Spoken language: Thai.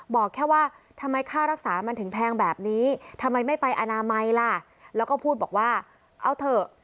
บอกแค่ว่าทำไมค่ารักษามันถึงแพงแบบนี้ทำไมไม่ไปอนามัยล่ะแล้วก็พูดบอกว่าเอาเถอะ